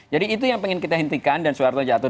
jadi itu yang ingin kita hentikan dan soeharto jatuh